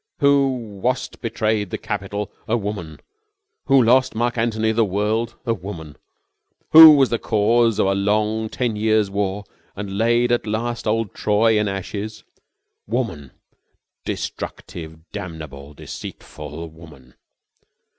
'Who was't betrayed the Capitol? A woman. Who lost Marc Antony the world? A woman. Who was the cause of a long ten years' war and laid at last old Troy in ashes? Woman! Destructive, damnable, deceitful woman!'"